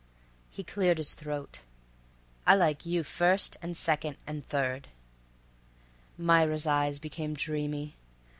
He cleared his throat. "I like you first and second and third." Myra's eyes became dreamy.